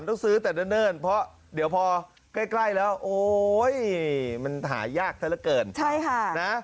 ต้องซื้อแต่เนิ่นเพราะเดี๋ยวแกล้วแล้วมันหายากแท่ระเกิน